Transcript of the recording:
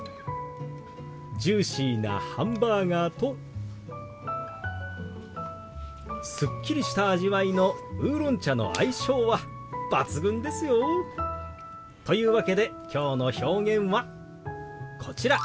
ジューシーなハンバーガーとすっきりした味わいのウーロン茶の相性は抜群ですよ。というわけできょうの表現はこちら。